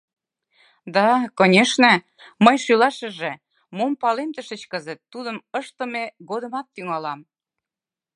— Да, конешне, мый шӱлашыже, мом палемдышыч кызыт, тудым ыштыме годымат тӱҥалам.